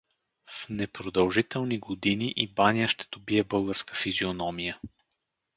В непродължителни години и Баня ще добие българска физиономия.